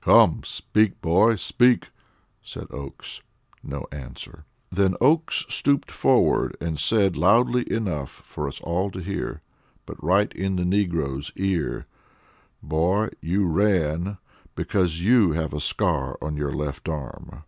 "Come! Speak, boy, speak!" said Oakes. No answer. Then Oakes stooped forward and said loudly enough for us all to hear, but right in the negro's ear: "Boy, you ran because you have a scar on your left arm!"